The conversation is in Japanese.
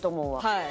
はい。